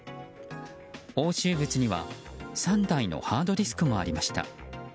押収物には、３台のハードディスクもありました。